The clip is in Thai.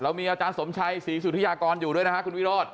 มีอาจารย์สมชัยศรีสุธิยากรอยู่ด้วยนะฮะคุณวิโรธ